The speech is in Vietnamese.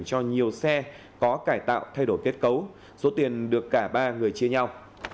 cho nhiều xe có cải tạo thay đổi kết cấu số tiền được cả ba người chia nhau